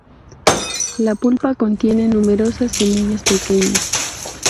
La pulpa contiene numerosas semillas pequeñas.